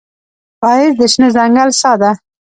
ښایست د شنه ځنګل ساه ده